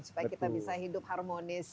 supaya kita bisa hidup harmonis